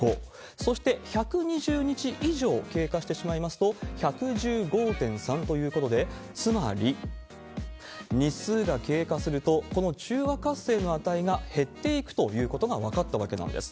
そして、１２０日以上経過してしまいますと１１５．３ということで、つまり、日数が経過すると、この中和活性の値が減っていくということが分かったわけなんです。